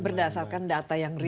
berdasarkan data yang real